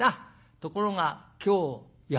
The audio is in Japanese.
ところが今日休み。